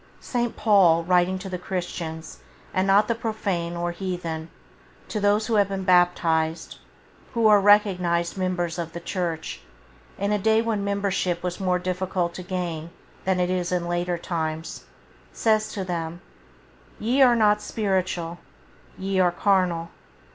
St. Paul, writing to Christians and not to the profane or heathen — to those who have been baptized, who are recognized members of the Church, in a day when membership was more difficult to gain than it is in these later times — says to them: "Ye are not spiritual: ye are carnal".